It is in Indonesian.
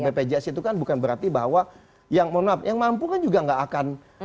bpjs itu kan bukan berarti bahwa yang mohon maaf yang mampu kan juga nggak akan